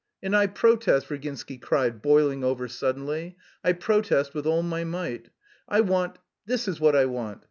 "And I protest..." Virginsky cried, boiling over suddenly: "I protest with all my might.... I want... this is what I want.